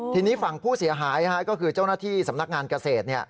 ทีนี้ฝั่งผู้เสียหายก็คือเจ้าหน้าที่สำนักงานเกษตร